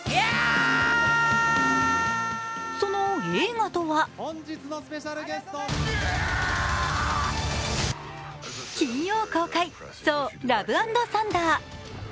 その映画とは金曜公開「ソー：ラブ＆サンダー」。